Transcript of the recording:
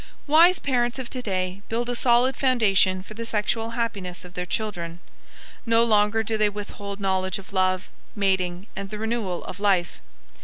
Wise parents of today build a solid foundation for the sexual happiness of their children. No longer do they withhold knowledge of love, mating, and the renewal of life.